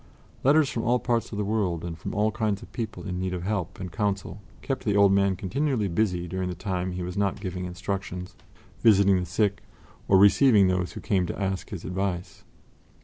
Letters from all parts of the world and from all kinds of people in need of help and counsel kept the old man continually busy during the time he was not giving instructions, visiting the sick, or receiving those who came to ask his advice.